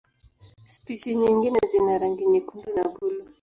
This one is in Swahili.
Spishi nyingine zina rangi nyekundu na buluu.